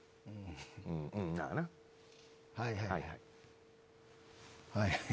はいはい。